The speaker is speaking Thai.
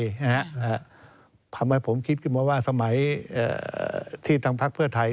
ทำให้ผมคิดกันว่าสมัยที่ทางภักดิ์เพื่อไทย